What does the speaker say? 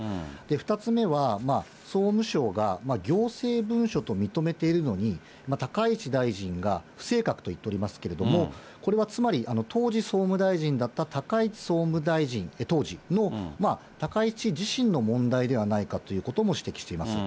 ２つ目は、総務省が行政文書と認めているのに、高市大臣が不正確と言っておりますけれども、これはつまり、当時、総務大臣だった高市総務大臣、当時、高市自身の問題ではないかということも指摘しています。